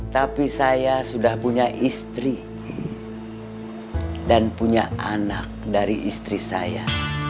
tapi saya sudah punya istri dan punya anak dari istri saya